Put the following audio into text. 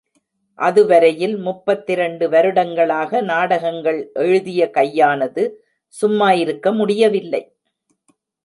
அதுவரையில் முப்பத்திரண்டு வருடங்களாக நாடகங்கள் எழுதிய கையானது சும்மா இருக்க முடியவில்லை!